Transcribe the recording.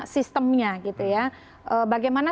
sistemnya gitu ya bagaimana